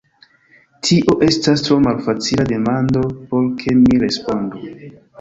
Tio estas tro malfacila demando por ke mi respondu.